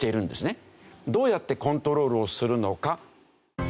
どうやってコントロールをするのか？